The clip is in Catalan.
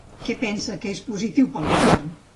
Què pensa que és positiu per al govern?